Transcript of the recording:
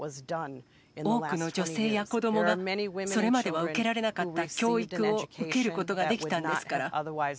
多くの女性や子どもが、それまでは受けられなかった教育を受けることができたんですから。